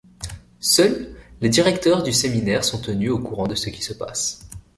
Seuls, les directeurs du séminaire sont tenus au courant de ce qui se passe.